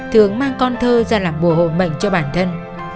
thường mang con thơ ra làm mùa hộ mệnh cho bản thân